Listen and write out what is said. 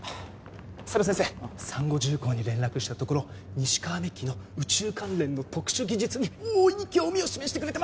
佐田先生さんご重工に連絡したところニシカワメッキの宇宙関連の特殊技術に大いに興味を示してくれてます